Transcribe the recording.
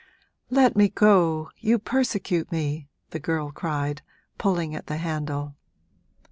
'Let me go you persecute me!' the girl cried, pulling at the handle.